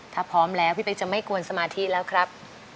ถ้าพร้อมแล้วพี่เป๊กจะไม่กวนสมาธิแล้วครับ